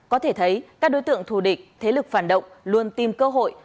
có thể thấy các đối tượng thù địch thế lực phản động luôn tìm cơ hội